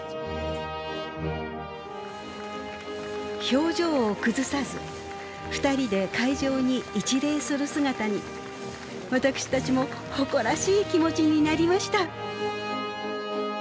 表情を崩さず２人で会場に一礼する姿に私たちも誇らしい気持ちになりました。